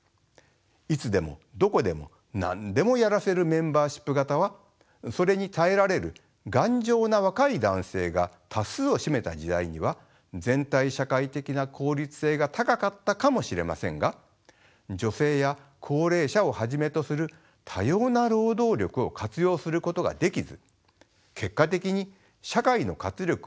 いつでもどこでも何でもやらせるメンバーシップ型はそれに耐えられる頑丈な若い男性が多数を占めた時代には全体社会的な効率性が高かったかもしれませんが女性や高齢者をはじめとする多様な労働力を活用することができず結果的に社会の活力を失わせています。